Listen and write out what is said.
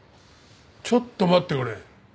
ちょっと待ってくれ。